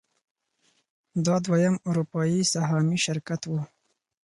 دا دویم اروپايي سهامي شرکت و.